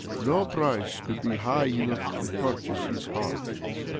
No price could be high enough to purchase his heart.